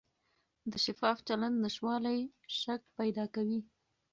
د شفاف چلند نشتوالی شک پیدا کوي